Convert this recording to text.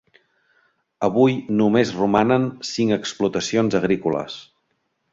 Avui només romanen cinc explotacions agrícoles.